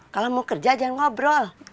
kalau mau kerja jangan ngobrol